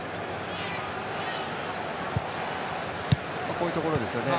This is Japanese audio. こういうところですよね。